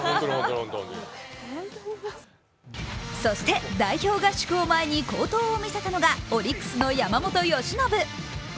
そして代表合宿を前に好投を見せたのがオリックスの山本由伸。